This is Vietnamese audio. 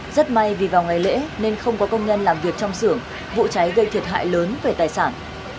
rất may vì vào ngày lễ nên không có công nhân làm việc trong xưởng vụ cháy gây thiệt hại lớn về tài sản